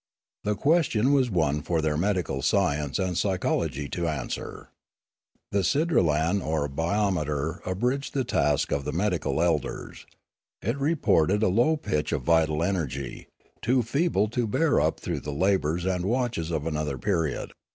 The question was one for their medical science and psychology to answer. The sid ralan or biometer abridged the task of the medical elders. It reported a low pitch of vital energy, too feeble to bear up through the labours and watches of another period.